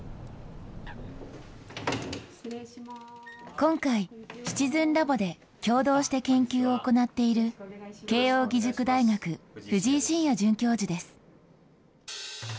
今回、シチズンラボで共同して研究を行っている、慶應義塾大学、藤井進也准教授です。